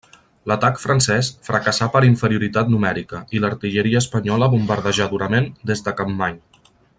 L'atac francès fracassà per inferioritat numèrica, i l'artilleria espanyola bombardejà durament des de Capmany.